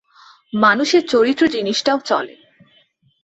মানুষের চরিত্র জিনিসটাও চলে।